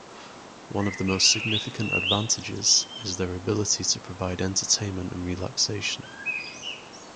One of the most significant advantages is their ability to provide entertainment and relaxation.